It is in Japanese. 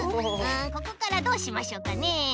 あここからどうしましょうかね？